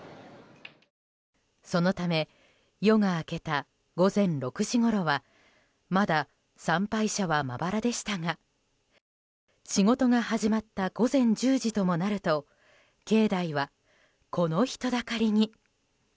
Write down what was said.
そのため夜が明けた午前６時ごろはまだ参拝者はまばらでしたが仕事が始まった午前１０時ともなると境内は、この人だかりに。